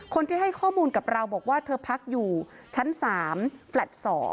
คนที่ให้ข้อมูลกับเราบอกว่าเธอพักอยู่ชั้น๓แฟลต์๒